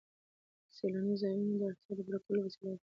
سیلاني ځایونه د اړتیاوو د پوره کولو وسیله ده.